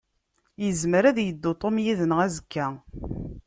Yezmer ad yeddu Tom yid-neɣ azekka.